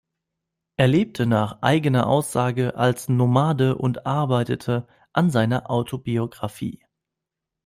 Er lebte nach eigener Aussage als Nomade und arbeitete an seiner Autobiografie.